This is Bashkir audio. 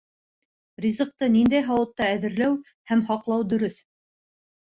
Ризыҡты ниндәй һауытта әҙерләү һәм һаҡлау дөрөҫ?